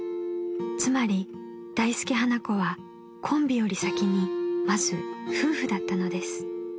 ［つまり大助・花子はコンビより先にまず夫婦だったのです］